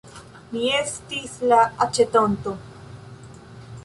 Mi estis la aĉetonto.